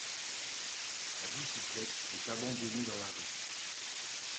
La bicyclette est abandonnée dans la rue